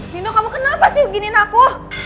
nino kamu kenapa sih beginiin aku